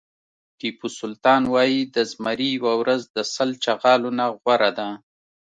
ټيپو سلطان وایي د زمري یوه ورځ د سل چغالو نه غوره ده.